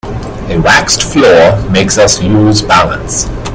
A waxed floor makes us lose balance.